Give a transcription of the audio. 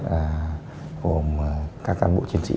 cùng các can bộ chiến sĩ